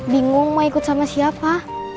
bingung mau ikut sama siapa